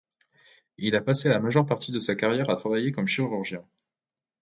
Il a passé la majeure partie de sa carrière à travailler comme chirurgien.